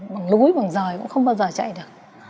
bằng lúi bằng dời cũng không bao giờ chạy được